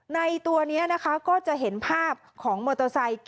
ตัวนี้นะคะก็จะเห็นภาพของมอเตอร์ไซค์